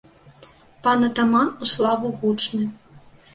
Пан атаман ў славу гучны.